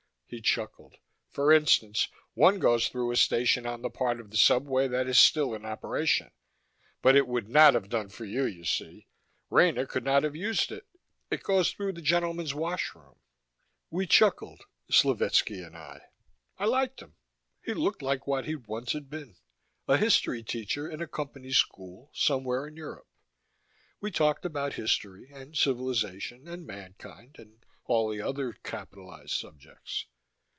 He chuckled. "For instance, one goes through a station on the part of the subway that is still in operation. But it would not have done for you, you see; Rena could not have used it. It goes through the gentlemen's washroom." We chuckled, Slovetski and I. I liked him. He looked like what he once had been: a history teacher in a Company school, somewhere in Europe. We talked about History, and Civilization, and Mankind, and all the other capitalized subjects.